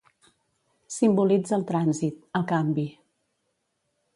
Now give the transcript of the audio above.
Simbolitza el trànsit, el canvi.